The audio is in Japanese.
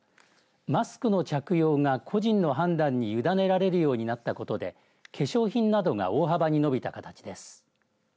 マスクの着用が個人の判断に委ねられるようになったことで化粧品などが大幅に伸びた形です。